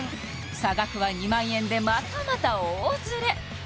差額は２００００円でまたまた大ズレ！